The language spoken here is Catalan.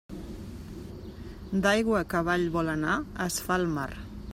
D'aigua que avall vol anar, es fa el mar.